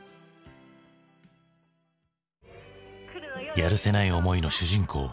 やるせない思いの主人公。